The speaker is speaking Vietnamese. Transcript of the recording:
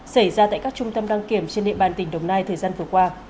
xảy ra tại các trung tâm đăng kiểm trên địa bàn tỉnh đồng nai thời gian vừa qua